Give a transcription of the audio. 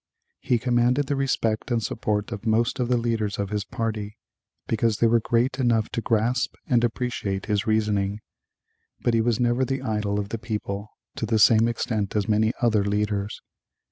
He commanded the respect and support of most of the leaders of his party, because they were great enough to grasp and appreciate his reasoning, but he was never the idol of the people to the same extent as many other leaders.